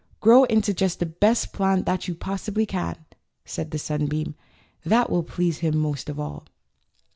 "Grow into just the best plant that you possibly can," said the sunbeam, "that will please him most of all."